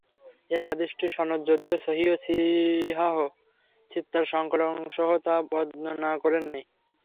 এ হাদীসটির সনদ যদিও সহীহ্, সিহাহ্ সিত্তার সংকলকগণ তা বর্ণনা করেননি।